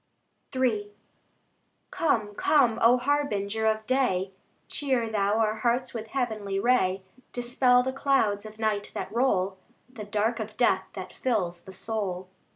III Come, come, O Harbinger of day! Cheer Thou our hearts with heavenly ray, Dispel the clouds of night that roll, The dark of death that fills the soul.